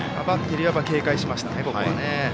バッテリーは警戒しましたね。